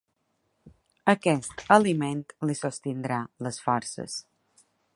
Aquest aliment li sostindrà les forces.